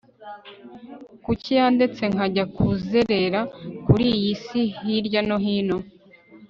kuki yandetse nkajya kuzerera kuri iyi si hirya no hino